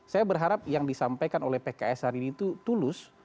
saya berharap yang disampaikan oleh pks hari ini itu tulus